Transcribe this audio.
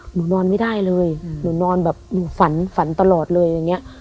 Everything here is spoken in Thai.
หนูนอนไม่ได้เลยหนูนอนแบบหนูฝันฝันตลอดเลยอย่างเงี้ย